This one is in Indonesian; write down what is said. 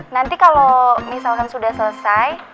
nanti kalau misalkan sudah selesai